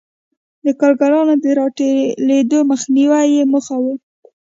د کارګرانو د راټولېدو مخنیوی یې موخه و.